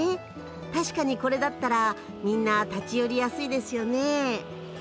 確かにこれだったらみんな立ち寄りやすいですよね。